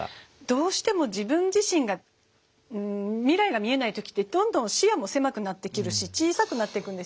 どうしても自分自身が未来が見えない時ってどんどん視野も狭くなってくるし小さくなっていくんですよね。